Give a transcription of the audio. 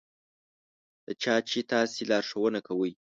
د چا چې تاسې لارښوونه کوئ.